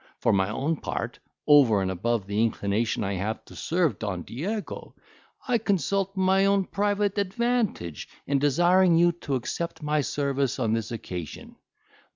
For my own part, over and above the inclination I have to serve Don Diego, I consult my own private advantage in desiring you to accept my service on this occasion.